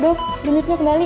duh gini gini kembali